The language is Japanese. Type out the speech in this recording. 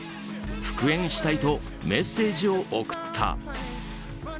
復縁したいとメッセージを送った。